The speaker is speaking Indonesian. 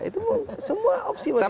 itu semua opsi masih terbuka